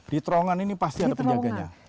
di terowongan ini pasti ada penjaganya